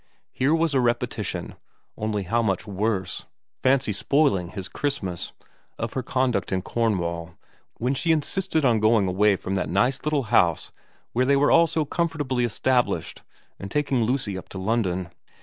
Here was a repetition, only how much worse fancy spoiling his Christmas of her conduct in Cornwall when she insisted on going away from that nice little house where they were all so comfortably established, and taking Lucy up to London.